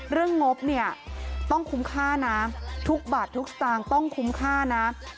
งบเนี่ยต้องคุ้มค่านะทุกบาททุกสตางค์ต้องคุ้มค่านะ